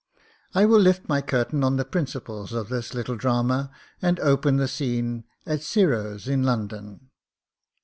I will lift my curtain on the principals of this little dr^ma, and open the scene at Giro's in London.